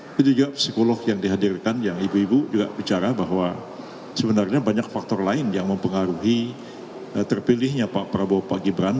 itu juga psikolog yang dihadirkan yang ibu ibu juga bicara bahwa sebenarnya banyak faktor lain yang mempengaruhi terpilihnya pak prabowo pak gibran